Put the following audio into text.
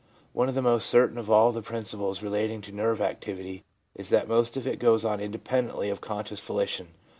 One of the most certain of all the principles relating to nerve activity is that most of it goes on independently of conscious voli tion.